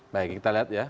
baik kita lihat ya